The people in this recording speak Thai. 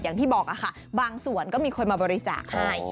อย่างที่บอกค่ะบางส่วนก็มีคนมาบริจาคให้